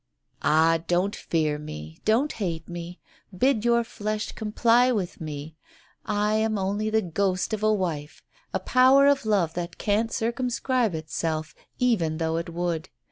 "Ah, don't fear me, don't hate me — bid your flesh comply with me. ... I am only the ghost of a wife a power of love that can't circumscribe itself, even though it would.